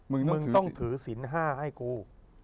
มึงต้องถือสินห้าให้กู